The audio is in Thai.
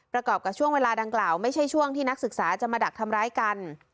ประกอบกับช่วงเวลาดังกล่าวไม่ใช่ช่วงที่นักศึกษาจะมาดักทำร้ายกัน